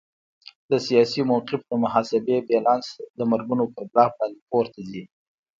د سیاسي موقف د محاسبې بیلانس د مرګونو پر ګراف باندې پورته ځي.